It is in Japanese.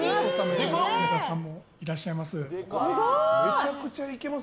ユーザーさんもいらっしゃいます。